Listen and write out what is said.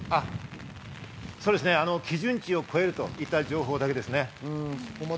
基準値を超えるといった情報だけです。